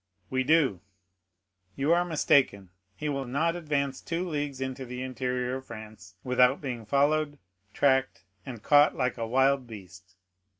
"We do." "You are mistaken; he will not advance two leagues into the interior of France without being followed, tracked, and caught like a wild beast."